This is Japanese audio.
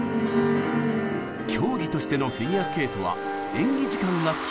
競技としてのフィギュアスケートは演技時間が決まっています。